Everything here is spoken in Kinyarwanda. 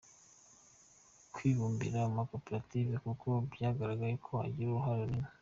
kwibumbira mu makoperative, kuko byagaragaye ko agira uruhare runini.